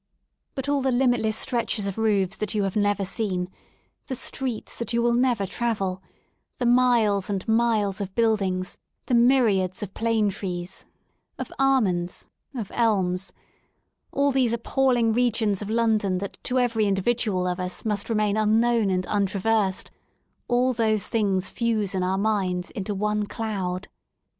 But all the limitless stretches of roofs that you have never seen^ the streets that you will never travel^ the miles and miles of buildings, the myriads of plane trees, of almonds, of elms — all these appalling regions of London that to every individual of us must remain unknown and untra versed — all those things fuse in our minds into one cloud.